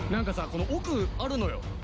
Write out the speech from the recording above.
この奥あるのよ